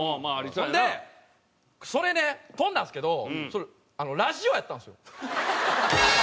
ほんでそれね飛んだんですけどそれラジオやったんですよ。